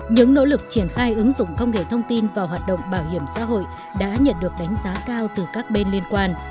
những nỗ lực triển khai ứng dụng công nghệ thông tin vào hoạt động bảo hiểm xã hội đã nhận được đánh giá cao từ các bên liên quan